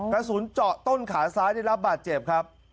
กระสุนเจาะต้นขาซ้ายได้รับบาดเจ็บครับ